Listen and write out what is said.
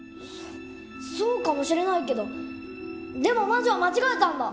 そそうかもしれないけどでも魔女は間違えたんだ！